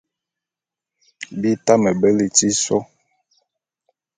Bi tame be liti sô.